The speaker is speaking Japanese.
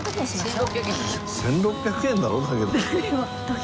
１６００円だろ？だけど。